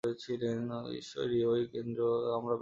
ঈশ্বরই ঐ কেন্দ্র এবং আমরা ব্যাসার্ধ।